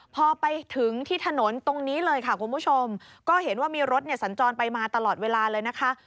พอไปถึงที่ถนนตรงนี้เลยค่ะคุณผู้ชมก็เห็นว่ามีรถเนี่ยสัญจรไปมาตลอดเวลาเลยนะคะ